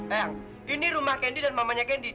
eyang ini rumah candy dan mamanya candy